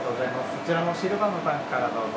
そちらのシルバーのタンクからどうぞ。